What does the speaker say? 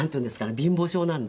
貧乏性なんで。